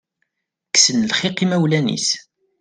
Kksen lxiq imawlan-is.